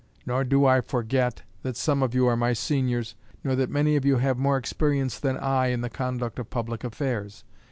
Nor do I forget that some of you are my seniors, nor that many of you have more experience than I in the conduct of public affairs.